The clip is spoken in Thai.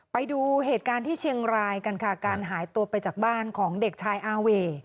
ไปดูเหตุการณ์ที่เชียงรายกันค่ะการหายตัวไปจากบ้านของเด็กชายอาเว่